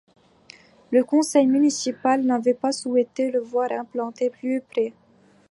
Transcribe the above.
Le conseil municipal n'avait pas souhaité le voir implanté plus près.